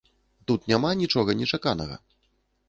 Тут няма нічога нечаканага.